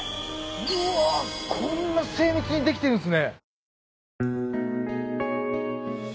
うわこんな精密にできてるんですね。